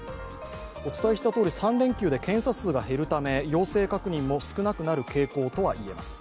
お伝えしたとおり、３連休で検査数が減るため、陽性確認も少なくなる傾向とはいえます。